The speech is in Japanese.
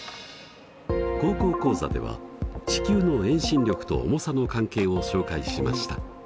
「高校講座」では地球の遠心力と重さの関係を紹介しました。